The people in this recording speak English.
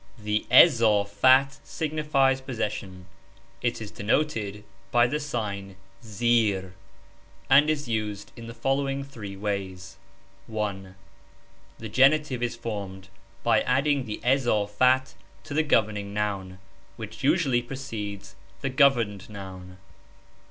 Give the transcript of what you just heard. The izafat signifies possession ; it is denoted by the sign (^) zir and is used in the following three ways : 1 . The genitive is formed by adding the izafat to the governing noun, which usually precedes the governed noun.